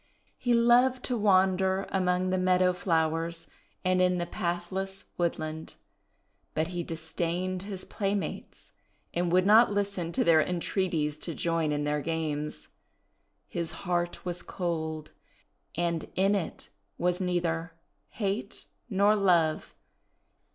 He loved to wander among the meadow flowers and in the pathless wood land. But he disdained his playmates, and would not listen to their entreaties to join in their games. His heart was cold, and in it was neither hate nor love.